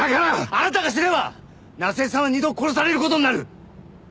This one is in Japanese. あなたが死ねば夏恵さんは二度殺される事になる！